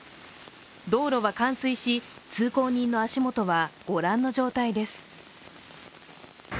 道路は冠水し、通行人の足元は御覧の状態です。